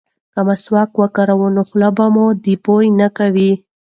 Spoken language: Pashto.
که مسواک وکاروې نو خوله به دې بوی نه کوي.